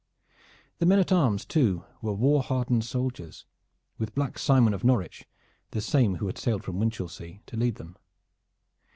The men at arms too were war hardened soldiers, with Black Simon of Norwich, the same who had sailed from Winchelsea, to lead them.